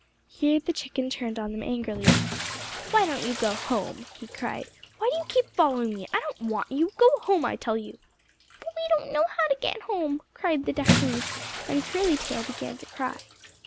Here the chicken turned on them angrily. "Why don't you go home?" he cried. "Why do you keep following me? I don't want you. Go home I tell you." "But we don't know how to get home," cried the ducklings, and Curly Tail began to cry.